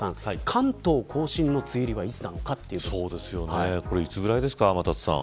関東甲信の梅雨入りはいつぐらいですか、天達さん。